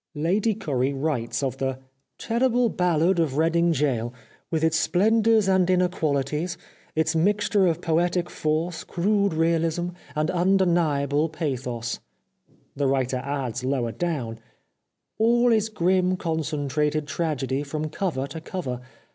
Lady Currie writes of the " terrible ' Ballad of Reading Gaol,' 411 The Life of Oscar Wilde with its splendours and inequalities, its mixture of poetic force, crude realism, and undeniable pathos." The writer adds lower down :" All is grim concentrated tragedy from cover to cover.